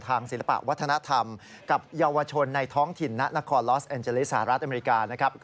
ศิลปะวัฒนธรรมกับเยาวชนในท้องถิ่นณนครลอสแอนเจลิสหรัฐอเมริกานะครับ